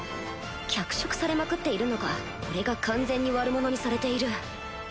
脚色されまくっているのか俺が完全に悪者にされている